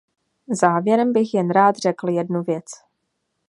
Závěrem bych jen rád řekl jednu věc.